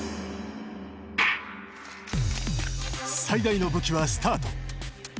最大の武器はスタート。